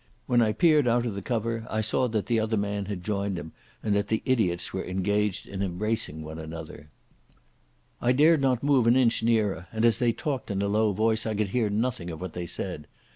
When I peered out of the cover I saw that the other man had joined him and that the idiots were engaged in embracing each other. I dared not move an inch nearer, and as they talked in a low voice I could hear nothing of what they said.